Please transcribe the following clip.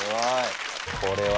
これは。